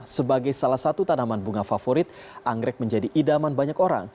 sebagai salah satu tanaman bunga favorit anggrek menjadi idaman banyak orang